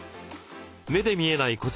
目で見えない